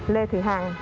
lê thị hằng